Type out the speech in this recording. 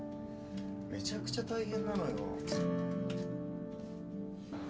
めちゃくちゃ大変なのよ。